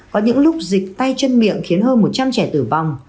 có những lúc dịch tay chân miệng khiến hơn một trăm linh trẻ tử vong